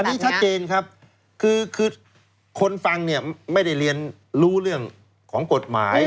อันนี้ชัดเจนครับคือคนฟังเนี่ยไม่ได้เรียนรู้เรื่องของกฎหมาย